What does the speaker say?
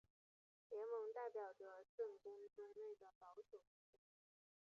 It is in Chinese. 联盟代表着圣公宗内的保守派教会。